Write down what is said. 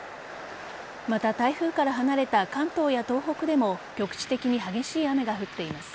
また、台風から離れた関東や東北でも局地的に激しい雨が降っています。